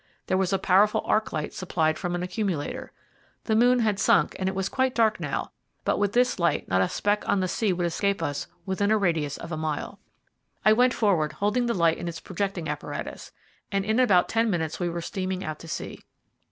There was a powerful arc light supplied from an accumulator. The moon had sunk and it was quite dark now, but with this light not a speck on the sea would escape us within a radius of a mile. I went forward, holding the light in its projecting apparatus, and in about ten minutes we were steaming out to sea.